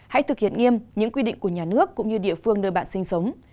hãy thực hiện nghiêm những quy định của nhà nước cũng như địa phương nơi bạn sinh sống